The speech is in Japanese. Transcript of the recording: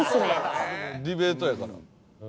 「でもディベートやから」